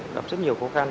gặp rất nhiều khó khăn